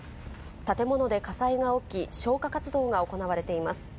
建物で火災が起き、消火活動が行われています。